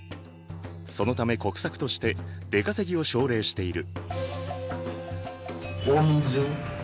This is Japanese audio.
そのため国策として出稼ぎを奨励している。